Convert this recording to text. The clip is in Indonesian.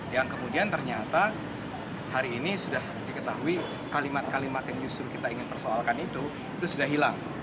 yang kemudian ternyata hari ini sudah diketahui kalimat kalimat yang justru kita ingin persoalkan itu itu sudah hilang